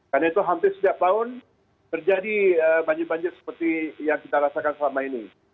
karena itu hampir setiap tahun terjadi banjir banjir seperti yang kita rasakan selama ini